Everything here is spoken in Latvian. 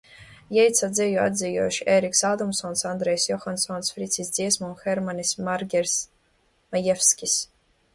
Jeitsa dzeju atdzejojuši Eriks Ādamsons, Andrejs Johansons, Fricis Dziesma un Hermanis Marģers Majevskis.